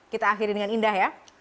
kita akhiri dengan indah ya